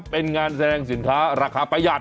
เป็นงานแสดงสินค้าราคาประหยัด